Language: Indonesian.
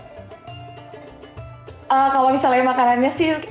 kalau misalnya makanannya sih